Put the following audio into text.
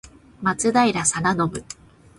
松平定信